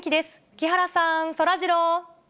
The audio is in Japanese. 木原さん、そらジロー。